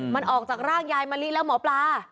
มันออกจากร่างยายมะลิแล้วหมอปลา